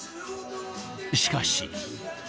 しかし。